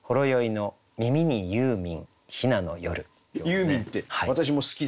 ユーミンって私も好きですけど。